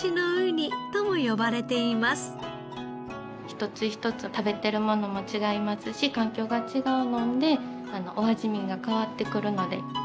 一つ一つ食べているものも違いますし環境が違うのでお味みが変わってくるので。